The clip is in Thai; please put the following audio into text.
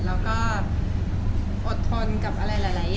แล้วก็อดทนกับอะไรหลาย